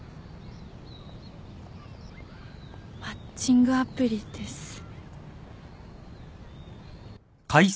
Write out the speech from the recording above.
マッチングアプリです。